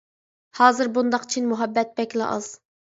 ھازىر بۇنداق چىن مۇھەببەت بەكلا ئاز.